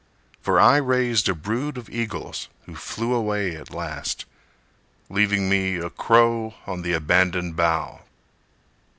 For I raised a brood of eagles Who flew away at last, leaving me A crow on the abandoned bough.